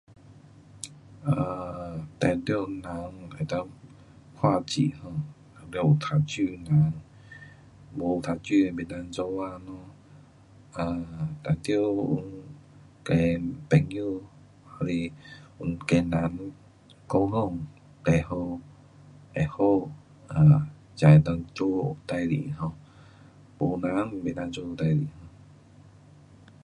a...te tiu na e dan kua ji ho, diu ta ju. bo ta ju beu dan zou ang lo. da diu gen ben u, ha li wu gen nan gou tong tei ho, eh ho jia e ho zuo dai li, bo nan bei dan zou dai li